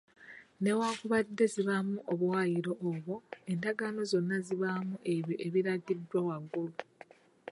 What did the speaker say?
Newankubadde zibaamu obuyawulo obwo, endagaano zonna zibaamu ebyo ebiragiddwa waggulu.